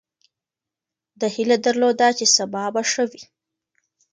ده هیله درلوده چې سبا به ښه وي.